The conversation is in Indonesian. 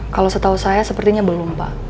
kalau setahu saya sepertinya belum pak